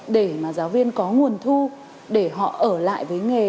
để mà giáo viên có nguồn thu để họ ở lại với nghề